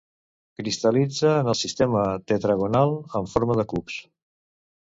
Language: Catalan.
Cristal·litza en el sistema tetragonal en forma de cubs.